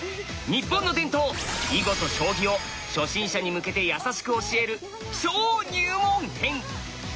日本の伝統囲碁と将棋を初心者に向けてやさしく教える超入門編！